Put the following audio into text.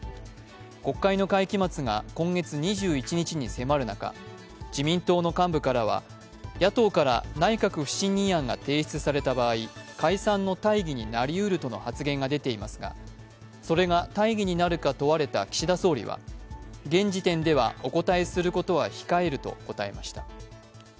国会の会期末が今月２１日に迫る中、自民党の幹部からは、野党から内閣不信任案が提出された場合、解散の大義になりうるとの発言が出ていますがそれが大義になるか問われた岸田総理は現時点ではお答えすることは控えると答えました。